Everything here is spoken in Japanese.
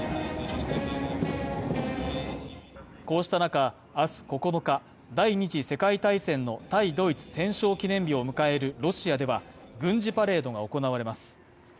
こうした中明日９日、第二次世界大戦の対ドイツ戦勝記念日を迎えるロシアでは軍事パレードが行われます。